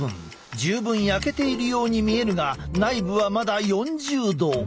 十分焼けているように見えるが内部はまだ４０℃。